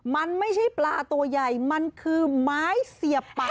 มันไม่ใช่ปลาตัวใหญ่มันคือไม้เสียบป่า